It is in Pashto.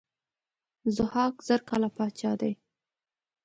ضحاک زر کاله پاچا دی.